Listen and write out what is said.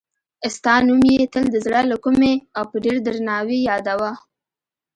ستا نوم یې تل د زړه له کومې او په ډېر درناوي یادوه.